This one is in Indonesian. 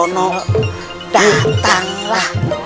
tapi sob datanglah